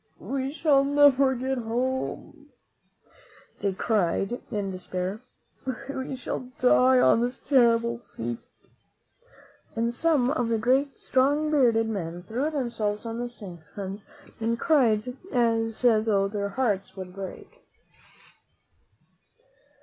"We shall never get home," they cried in despair. "We shall die on this terrible sea coast," and some of the great, strong, bearded men threw themselves on the sands and cried as though their hearts would break.